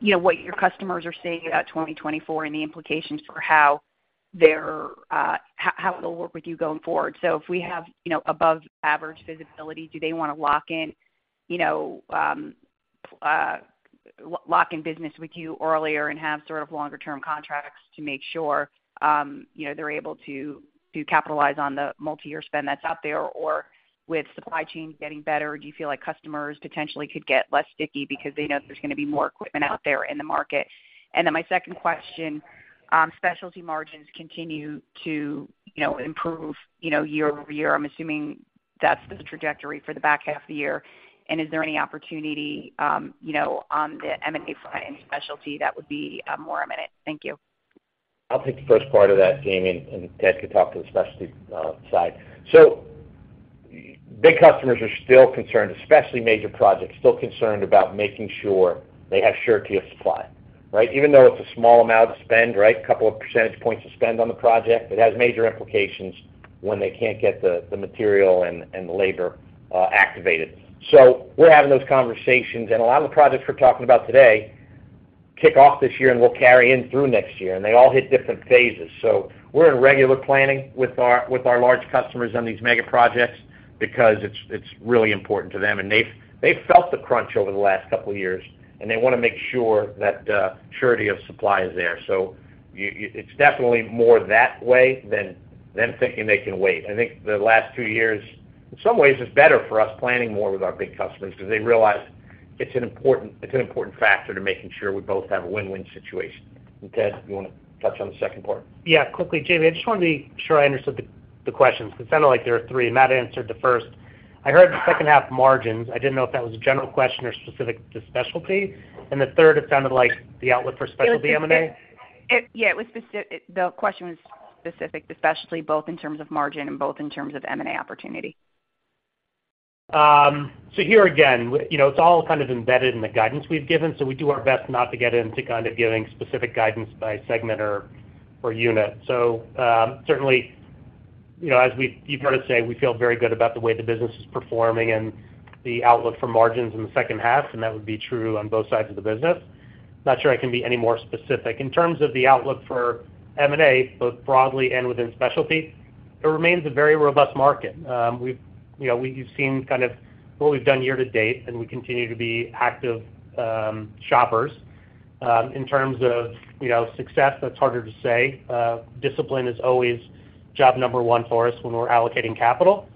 you know, what your customers are saying about 2024 and the implications for how it'll work with you going forward. If we have, you know, above average visibility, do they wanna lock in, you know, lock in business with you earlier and have sort of longer term contracts to make sure, you know, they're able to capitalize on the multiyear spend that's out there? With supply chains getting better, do you feel like customers potentially could get less sticky because they know there's gonna be more equipment out there in the market? My second question, specialty margins continue to, you know, improve, you know, year-over-year. I'm assuming that's the trajectory for the back half of the year. Is there any opportunity, you know, on the M&A front in specialty that would be more imminent? Thank you. I'll take the first part of that, Jamie, and Ted can talk to the specialty side. Big customers are still concerned, especially major projects, still concerned about making sure they have surety of supply, right? Even though it's a small amount of spend, right, couple of percentage points of spend on the project, it has major implications when they can't get the material and the labor activated. We're having those conversations, and a lot of the projects we're talking about today kick off this year and will carry in through next year, and they all hit different phases. We're in regular planning with our large customers on these mega projects because it's really important to them. They've felt the crunch over the last couple of years, and they wanna make sure that surety of supply is there. You, it's definitely more that way than them thinking they can wait. I think the last two years, in some ways, it's better for us planning more with our big customers because they realize it's an important factor to making sure we both have a win-win situation. Ted, you wanna touch on the second part? Yeah. Quickly, Jamie, I just wanna be sure I understood the questions. It sounded like there were three, and Matt answered the first. I heard the second half margins. I didn't know if that was a general question or specific to specialty. The third, it sounded like the outlook for specialty M&A? It, yeah, it was specific. The question was specific to specialty, both in terms of margin and both in terms of M&A opportunity. Here again, you know, it's all kind of embedded in the guidance we've given, so we do our best not to get into kind of giving specific guidance by segment or unit. Certainly, you know, as you've heard us say, we feel very good about the way the business is performing and the outlook for margins in the second half, and that would be true on both sides of the business. Not sure I can be any more specific. In terms of the outlook for M&A, both broadly and within specialty, it remains a very robust market. We've, you know, we've seen kind of what we've done year to date, and we continue to be active shoppers. In terms of, you know, success, that's harder to say. Discipline is always job number one for us when we're allocating capital.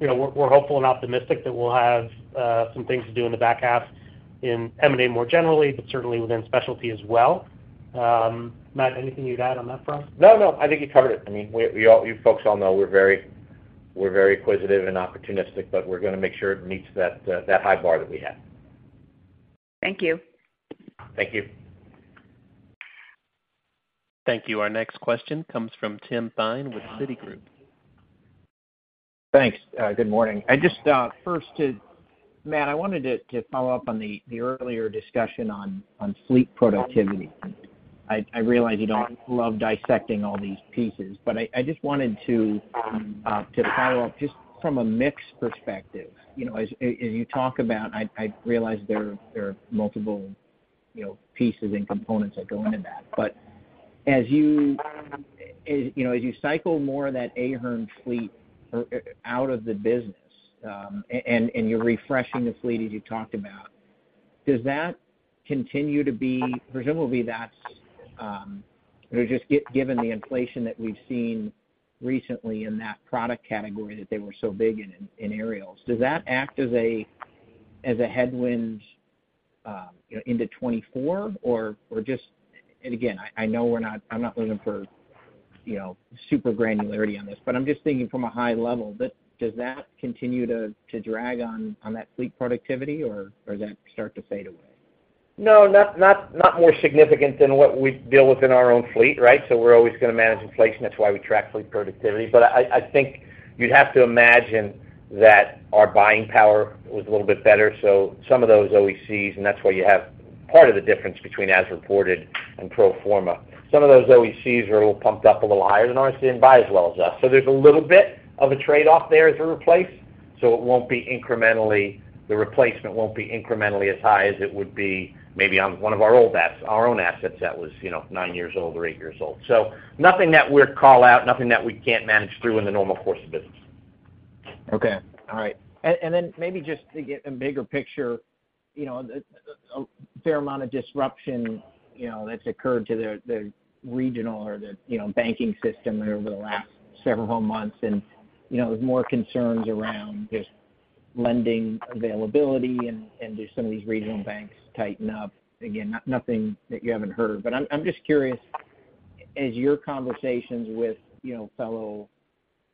You know, we're hopeful and optimistic that we'll have some things to do in the back half in M&A more generally, but certainly within specialty as well. Matt, anything you'd add on that front? No, no. I think you covered it. I mean, we all you folks all know we're very inquisitive and opportunistic, but we're gonna make sure it meets that high bar that we have. Thank you. Thank you. Thank you. Our next question comes from Tim Thein with Citigroup. Thanks. Good morning. I just, first to Matt, I wanted to follow up on the earlier discussion on fleet productivity. I realize you don't love dissecting all these pieces, but I just wanted to follow up just from a mix perspective. You know, as you talk about, I realize there are multiple, you know, pieces and components that go into that. As you, you know, as you cycle more of that Ahern fleet out of the business, and you're refreshing the fleet, as you talked about, does that continue to be... Presumably, that's, or just given the inflation that we've seen recently in that product category that they were so big in, in Aerials, does that act as a headwind, you know, into 2024? And again, I know we're not, I'm not looking for, you know, super granularity on this, but I'm just thinking from a high level, does that continue to drag on that fleet productivity, or does that start to fade away? No, not more significant than what we deal with in our own fleet, right? We're always gonna manage inflation. That's why we track fleet productivity. I think you'd have to imagine that our buying power was a little bit better. Some of those OECs, and that's why you have part of the difference between as reported and pro forma. Some of those OECs are a little pumped up a little higher than ours and buy as well as us. There's a little bit of a trade-off there as we replace, so it won't be incrementally, the replacement won't be incrementally as high as it would be maybe on one of our old assets, our own assets, that was, you know, nine years old or eight years old. Nothing that we're call out, nothing that we can't manage through in the normal course of business. Okay. All right. Then maybe just to get a bigger picture, you know, a fair amount of disruption, you know, that's occurred to the regional or the, you know, banking system over the last several months, and, you know, there's more concerns around just lending availability, and do some of these regional banks tighten up? Again, nothing that you haven't heard. I'm just curious. As your conversations with, you know, fellow,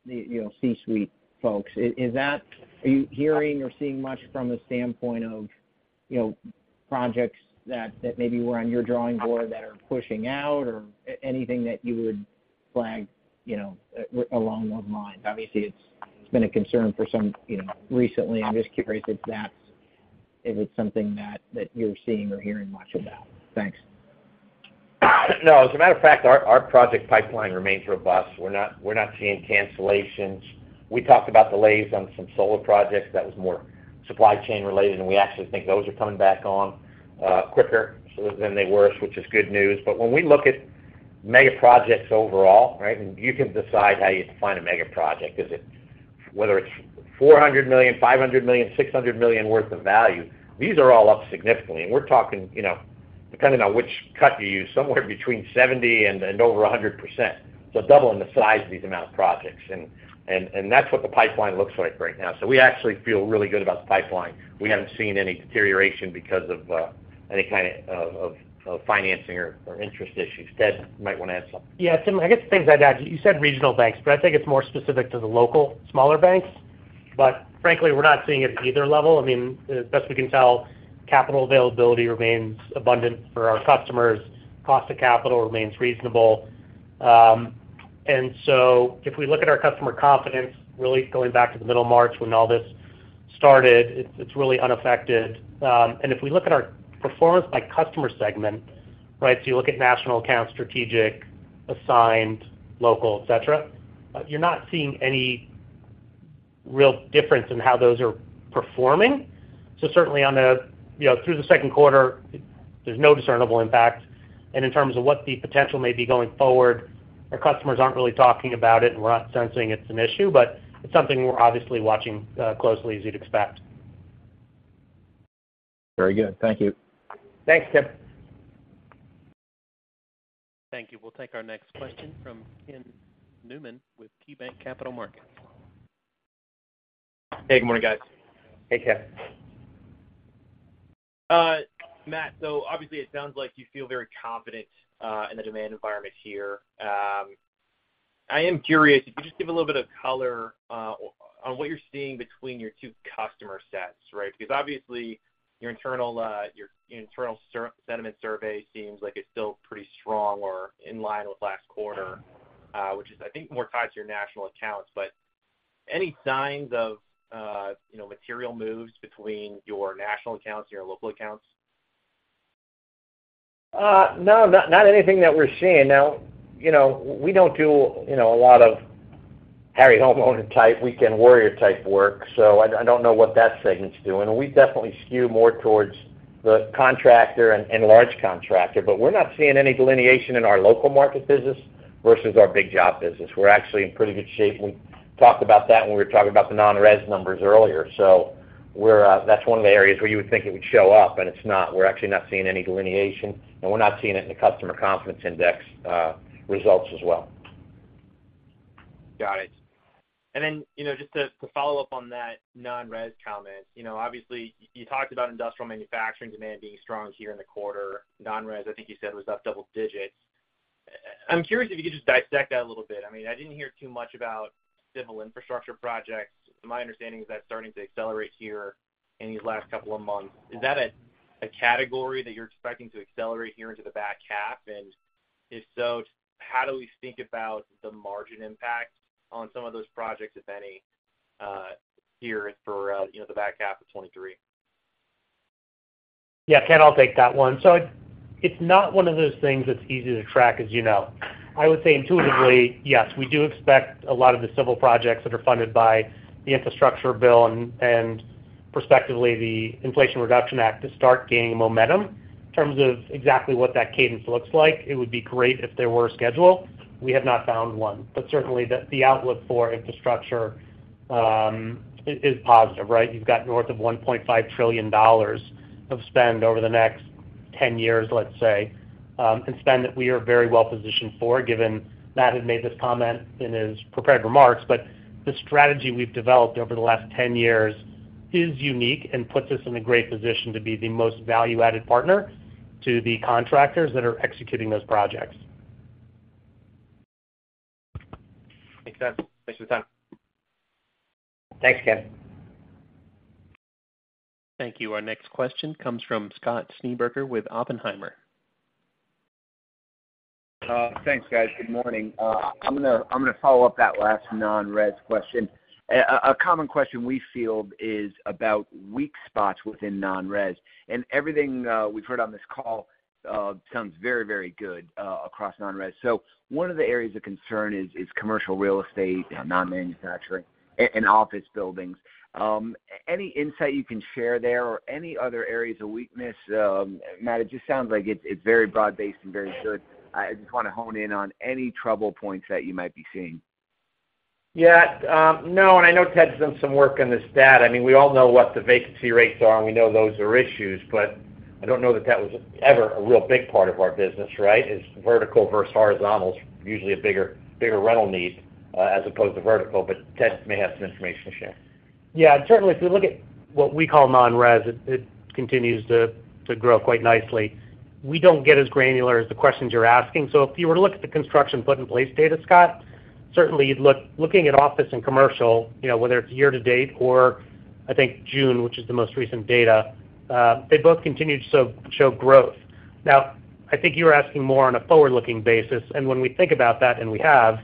you know, C-suite folks, is that, are you hearing or seeing much from the standpoint of, you know, projects that, that maybe were on your drawing board that are pushing out or anything that you would flag, you know, along those lines? Obviously, it's, it's been a concern for some, you know, recently. I'm just curious if that's, if it's something that, that you're seeing or hearing much about. Thanks. No, as a matter of fact, our, our project pipeline remains robust. We're not seeing cancellations. We talked about delays on some solar projects. That was more supply chain related, and we actually think those are coming back on quicker than they were, which is good news. When we look at mega projects overall, right? You can decide how you define a mega project. Is it, whether it's $400 million, $500 million, $600 million worth of value, these are all up significantly. We're talking, you know, depending on which cut you use, somewhere between 70 and over 100%. Doubling the size of these amount of projects, and that's what the pipeline looks like right now. We actually feel really good about the pipeline. We haven't seen any deterioration because of any kind of financing or interest issues. Ted, you might want to add something. Tim, I guess the things I'd add, you said regional banks, but I think it's more specific to the local, smaller banks. Frankly, we're not seeing it at either level. I mean, as best we can tell, capital availability remains abundant for our customers. Cost of capital remains reasonable. If we look at our customer confidence, really going back to the middle of March when all this started, it's really unaffected. If we look at our performance by customer segment, right, you look at national accounts, strategic, assigned, local, et cetera, you're not seeing any real difference in how those are performing. Certainly on the, you know, through the second quarter, there's no discernible impact. In terms of what the potential may be going forward, our customers aren't really talking about it, and we're not sensing it's an issue, but it's something we're obviously watching closely, as you'd expect. Very good. Thank you. Thanks, Tim. Thank you. We'll take our next question from Ken Newman with KeyBanc Capital Markets. Hey, good morning, guys. Hey, Ken. Matt, obviously, it sounds like you feel very confident in the demand environment here. I am curious, if you could just give a little bit of color on what you're seeing between your two customer sets, right? Because obviously, your internal sentiment survey seems like it's still pretty strong or in line with last quarter, which is, I think, more tied to your national accounts. Any signs of, you know, material moves between your national accounts and your local accounts? No, not anything that we're seeing. You know, we don't do, you know, a lot of Harry Homeowner type, weekend warrior type work, so I don't know what that segment's doing. We definitely skew more towards the contractor and large contractor, but we're not seeing any delineation in our local market business versus our big job business. We're actually in pretty good shape. We talked about that when we were talking about the non-res numbers earlier. That's one of the areas where you would think it would show up, and it's not. We're actually not seeing any delineation, and we're not seeing it in the customer confidence index results as well. Got it. you know, just to follow up on that non-res comment, you know, obviously, you talked about industrial manufacturing demand being strong here in the quarter. Non-res, I think you said, was up double digits. I'm curious if you could just dissect that a little bit. I mean, I didn't hear too much about civil infrastructure projects. My understanding is that's starting to accelerate here in these last couple of months. Is that a category that you're expecting to accelerate here into the back half? If so, how do we think about the margin impact on some of those projects, if any, here for, you know, the back half of 2023? Yeah, Ken, I'll take that one. It's not one of those things that's easy to track, as you know. I would say intuitively, yes, we do expect a lot of the civil projects that are funded by the infrastructure bill and perspectively, the Inflation Reduction Act, to start gaining momentum. In terms of exactly what that cadence looks like, it would be great if there were a schedule. We have not found one. Certainly, the outlook for infrastructure is positive, right? You've got north of $1.5 trillion of spend over the next 10 years, let's say, and spend that we are very well positioned for, given Matt had made this comment in his prepared remarks. The strategy we've developed over the last 10 years is unique and puts us in a great position to be the most value-added partner to the contractors that are executing those projects. Thanks, Ted. Thanks for the time. Thanks, Ken. Thank you. Our next question comes from Scott Schneeberger with Oppenheimer. Thanks, guys. Good morning. I'm gonna, I'm gonna follow up that last non-res question. A common question we field is about weak spots within non-res, and everything we've heard on this call sounds very, very good across non-res. One of the areas of concern is commercial real estate, non-manufacturing, and office buildings. Any insight you can share there or any other areas of weakness? Matt, it just sounds like it's very broad-based and very good. I just want to hone in on any trouble points that you might be seeing. Yeah, no, and I know Ted's done some work on this stat. I mean, we all know what the vacancy rates are, and we know those are issues, but I don't know that that was ever a real big part of our business, right? It's vertical versus horizontal is usually a bigger rental need, as opposed to vertical, but Ted may have some information to share. Certainly, if you look at what we call non-res, it continues to grow quite nicely. We don't get as granular as the questions you're asking. If you were to look at the construction put in place data, Scott, certainly, you'd look, looking at office and commercial, you know, whether it's year to date, or I think June, which is the most recent data, they both continue to show growth. I think you were asking more on a forward-looking basis, and when we think about that, and we have,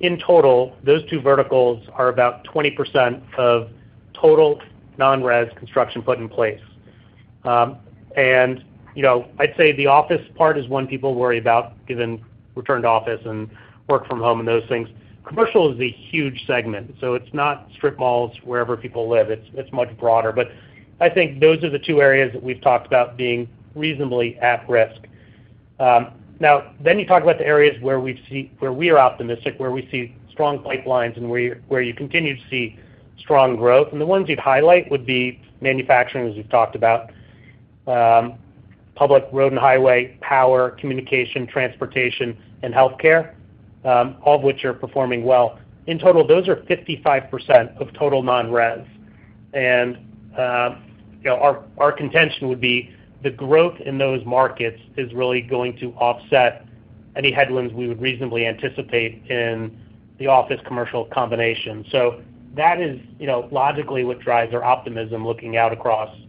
in total, those two verticals are about 20% of total non-res construction put in place. You know, I'd say the office part is one people worry about, given return to office and work from home and those things. Commercial is a huge segment, so it's not strip malls wherever people live. It's much broader. I think those are the two areas that we've talked about being reasonably at risk. Now, you talk about the areas where we are optimistic, where we see strong pipelines and where you continue to see strong growth. The ones you'd highlight would be manufacturing, as we've talked about, public road and highway, power, communication, transportation, and healthcare, all of which are performing well. In total, those are 55% of total non-res. You know, our, our contention would be the growth in those markets is really going to offset any headwinds we would reasonably anticipate in the office commercial combination. That is, you know, logically what drives our optimism looking out across, you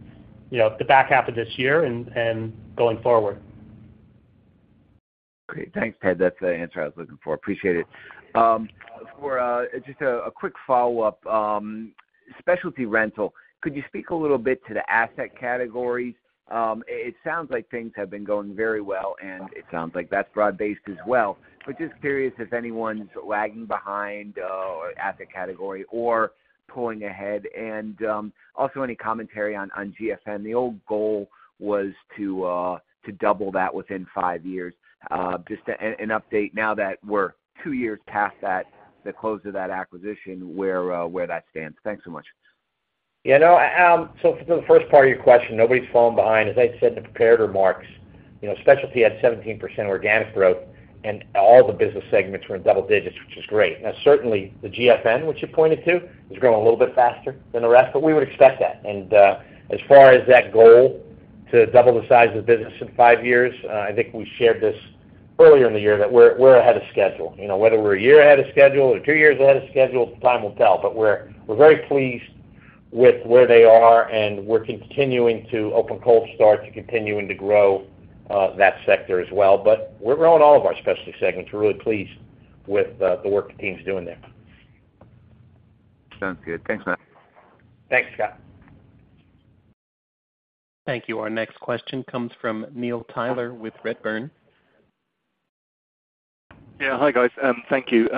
know, the back half of this year and going forward. Great. Thanks, Ted. That's the answer I was looking for. Appreciate it. For a quick follow-up, specialty rental, could you speak a little bit to the asset category? It sounds like things have been going very well, and it sounds like that's broad-based as well. Just curious if anyone's lagging behind or asset category or pulling ahead. Also, any commentary on GFN? The old goal was to double that within five years. Just an update now that we're two years past that, the close of that acquisition, where that stands. Thanks so much. Yeah, no, for the first part of your question, nobody's falling behind. As I said in the prepared remarks, you know, specialty had 17% organic growth, and all the business segments were in double digits, which is great. Now, certainly, the GFN, which you pointed to, is growing a little bit faster than the rest, but we would expect that. As far as that goal to double the size of the business in 5 years, I think we shared this earlier in the year, that we're ahead of schedule. You know, whether we're 1 year ahead of schedule or 2 years ahead of schedule, time will tell. We're very pleased with where they are, and we're continuing to open cold start to continuing to grow that sector as well. We're growing all of our specialty segments. We're really pleased with the work the team's doing there. Sounds good. Thanks, Matt. Thanks, Scott. Thank you. Our next question comes from Neil Tyler with Redburn. Hi, guys, thank you.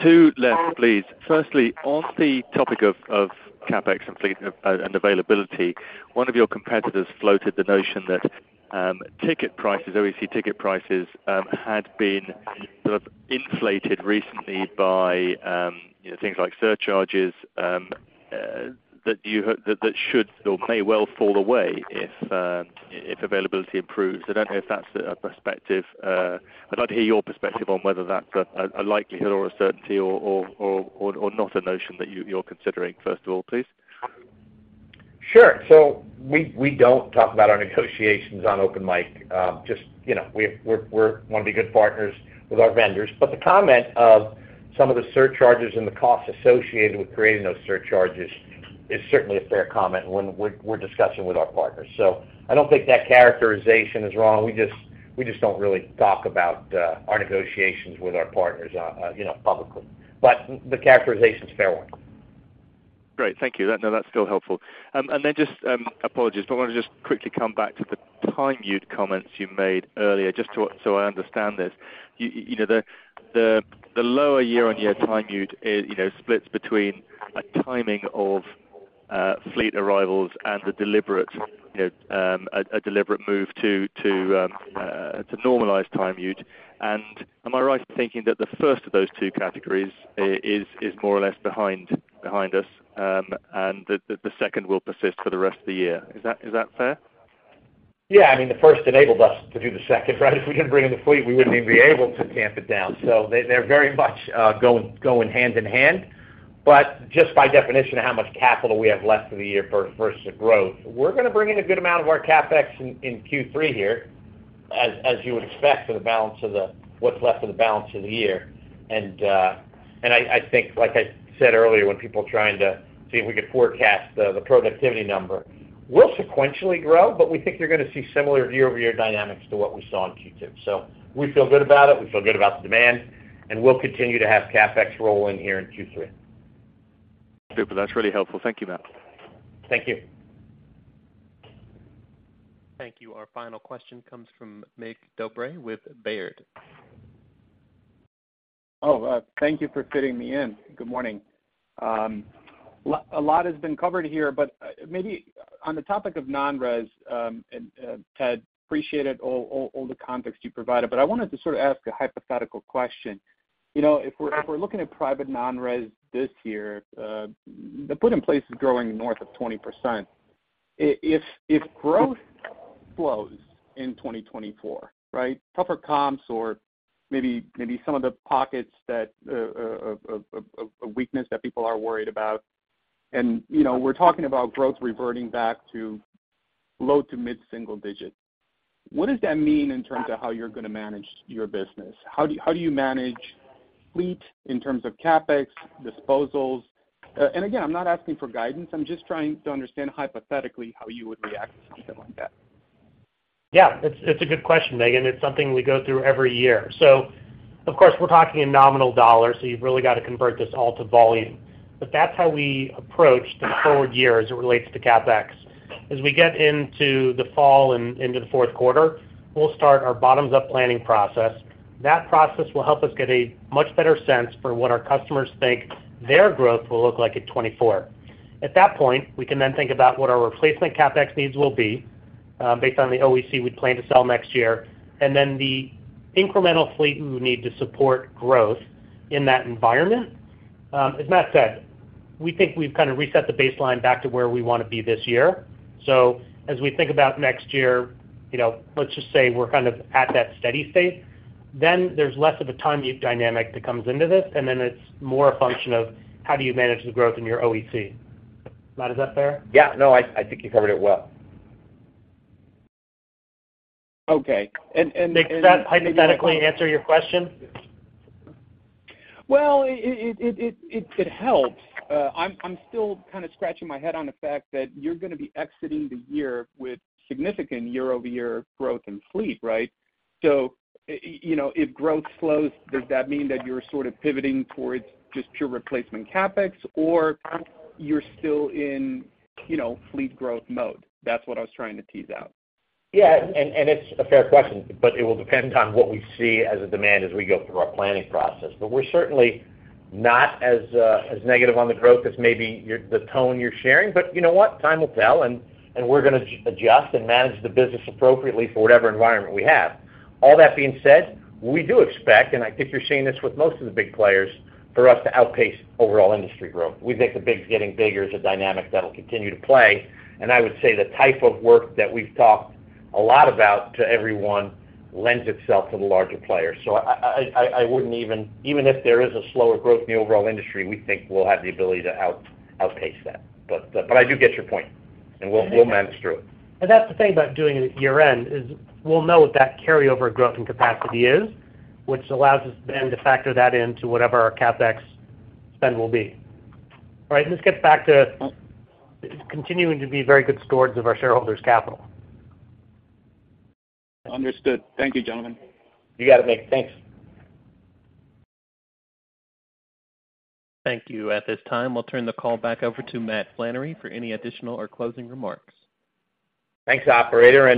Two left, please. Firstly, on the topic of CapEx and fleet and availability, one of your competitors floated the notion that ticket prices, OEC ticket prices, had been sort of inflated recently by, you know, things like surcharges, that should or may well fall away if availability improves. I don't know if that's a perspective. I'd like to hear your perspective on whether that's a likelihood or a certainty or not a notion that you're considering, first of all, please. Sure. We, we don't talk about our negotiations on open mic. Just, you know, we want to be good partners with our vendors. The comment of some of the surcharges and the costs associated with creating those surcharges is certainly a fair comment when we're discussing with our partners. I don't think that characterization is wrong. We just don't really talk about our negotiations with our partners, you know, publicly, but the characterization is a fair one. Great. Thank you. No, that's still helpful. Apologies, but I want to just quickly come back to the time util comments you made earlier, just to, so I understand this. You know, the lower year-on-year time util is, you know, splits between a timing of fleet arrivals and a deliberate move to normalize time util. Am I right in thinking that the first of those two categories is more or less behind us, and that the second will persist for the rest of the year? Is that fair? Yeah. I mean, the first enabled us to do the second, right? If we didn't bring in the fleet, we wouldn't even be able to tamp it down. They're very much going hand in hand. Just by definition of how much capital we have left for the year versus the growth, we're going to bring in a good amount of our CapEx in Q3 here, as you would expect for what's left of the balance of the year. I think, like I said earlier, when people are trying to see if we could forecast the productivity number, we'll sequentially grow, but we think you're going to see similar year-over-year dynamics to what we saw in Q2. We feel good about it. We feel good about the demand, and we'll continue to have CapEx rolling here in Q3. Super. That's really helpful. Thank you, Matt. Thank you. Thank you. Our final question comes from Mig Dobre with Baird. Oh, thank you for fitting me in. Good morning. A lot has been covered here, but maybe on the topic of non-res, and Ted, appreciate it, all the context you provided, but I wanted to sort of ask a hypothetical question. You know, if we're looking at private non-res this year, the put in place is growing north of 20%. If growth slows in 2024, right? Tougher comps or maybe, maybe some of the pockets that a weakness that people are worried about. You know, we're talking about growth reverting back to low to mid single digits. What does that mean in terms of how you're going to manage your business? How do you manage fleet in terms of CapEx, disposals? Again, I'm not asking for guidance. I'm just trying to understand hypothetically how you would react to something like that. Yeah, it's a good question, Mig. It's something we go through every year. Of course, we're talking in nominal dollars, so you've really got to convert this all to volume. That's how we approach the forward year as it relates to CapEx. As we get into the fall and into the fourth quarter, we'll start our bottoms-up planning process. That process will help us get a much better sense for what our customers think their growth will look like in 2024. At that point, we can then think about what our replacement CapEx needs will be, based on the OEC we plan to sell next year, and then the incremental fleet we would need to support growth in that environment. As Matt said, we think we've kind of reset the baseline back to where we want to be this year. As we think about next year, you know, let's just say we're kind of at that steady state, then there's less of a time dynamic that comes into this, and then it's more a function of how do you manage the growth in your OEC. Matt, is that fair? Yeah. No, I think you covered it well. Okay. Does that hypothetically answer your question? Well, it helps. I'm still kind of scratching my head on the fact that you're going to be exiting the year with significant year-over-year growth in fleet, right? You know, if growth slows, does that mean that you're sort of pivoting towards just pure replacement CapEx, or you're still in, you know, fleet growth mode? That's what I was trying to tease out. Yeah, it's a fair question, but it will depend on what we see as a demand as we go through our planning process. We're certainly not as negative on the growth as maybe the tone you're sharing. You know what? Time will tell, and we're going to adjust and manage the business appropriately for whatever environment we have. All that being said, we do expect, and I think you're seeing this with most of the big players, for us to outpace overall industry growth. We think the big getting bigger is a dynamic that will continue to play, and I would say the type of work that we've talked a lot about to everyone lends itself to the larger players. I wouldn't even if there is a slower growth in the overall industry, we think we'll have the ability to outpace that. I do get your point, and we'll, we'll manage through it. That's the thing about doing it year-end, is we'll know what that carryover growth and capacity is, which allows us then to factor that into whatever our CapEx spend will be. All right, let's get back to continuing to be very good stewards of our shareholders' capital. Understood. Thank you, gentlemen. You got it, Mig. Thanks. Thank you. At this time, we'll turn the call back over to Matt Flannery for any additional or closing remarks. Thanks, operator.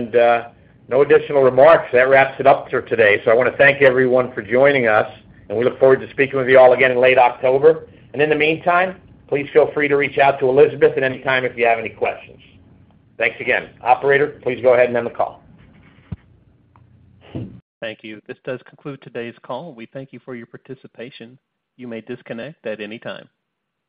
No additional remarks. That wraps it up for today. I want to thank everyone for joining us, and we look forward to speaking with you all again in late October. In the meantime, please feel free to reach out to Elizabeth at any time if you have any questions. Thanks again. Operator, please go ahead and end the call. Thank you. This does conclude today's call. We thank you for your participation. You may disconnect at any time.